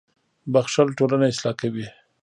• بښل ټولنه اصلاح کوي.